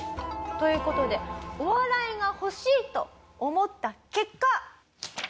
という事で「お笑いが欲しい！」と思った結果。